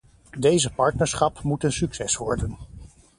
Deze partnerschap moet een succes worden.